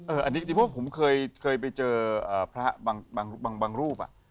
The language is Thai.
เอออันที่บอกผมเคยไปเจอพระบางรูป